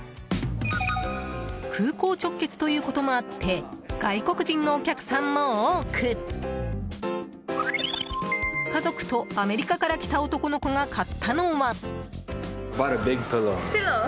空港直結ということもあって外国人のお客さんも多く家族とアメリカから来た男の子が買ったのは。